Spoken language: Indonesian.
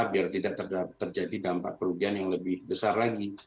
biar tidak terjadi dampak kerugian yang lebih besar lagi